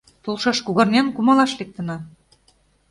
Толшаш кугарнян кумалаш лектына!